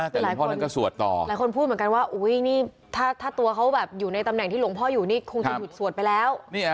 แต่หลวงพ่อนั้นก็สวดต่อหลายคนพูดเหมือนกันว่าอุ้ยนี่ถ้าตัวเขาแบบอยู่ในตำแหน่งที่หลวงพ่ออยู่นี่คงจะหยุดสวดไปแล้ว